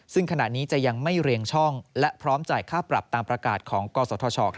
ซึ่งขณะนี้จะยังไม่เรียงช่องและพร้อมจ่ายค่าปรับตามประกาศของกศธช